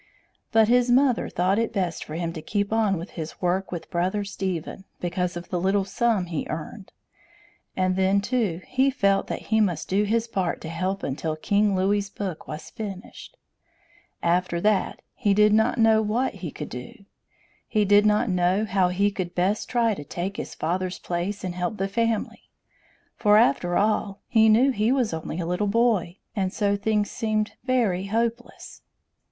But his mother thought it best for him to keep on with his work with Brother Stephen, because of the little sum he earned; and then, too, he felt that he must do his part to help until King Louis's book was finished. After that, he did not know what he could do! He did not know how he could best try to take his father's place and help the family; for, after all, he knew he was only a little boy, and so things seemed very hopeless!